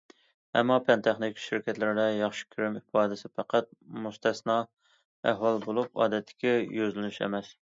ئەمما پەن- تېخنىكا شىركەتلىرىدە ياخشى كىرىم ئىپادىسى پەقەت مۇستەسنا ئەھۋال بولۇپ ئادەتتىكى يۈزلىنىش ئەمەس.